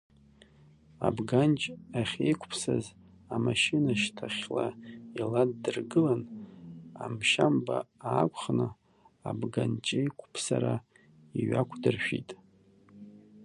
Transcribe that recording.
Абганҷ ахьеиқәԥсаз амашьына шьҭахьла иладдыргылан, амшьамба аақәхны, абганҷеиқәԥсара иҩақәдыршәит.